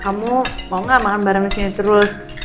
kamu mau gak makan bareng disini terus